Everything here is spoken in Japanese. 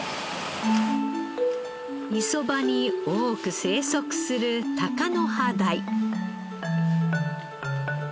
磯場に多く生息するタカノハダイ。